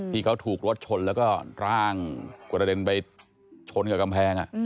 ที่เขาถูกรถชนแล้วก็ร่างกระเด็นไปชนกับกำแพง